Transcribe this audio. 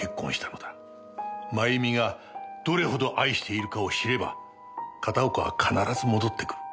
まゆみがどれほど愛しているかを知れば片岡は必ず戻ってくる。